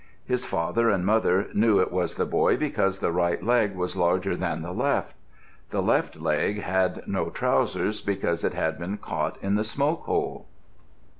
His father and mother knew it was the boy because the right leg was larger than the left. The left leg had no trousers because it had been caught in the smoke hole.